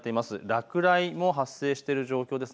落雷も発生している状況です。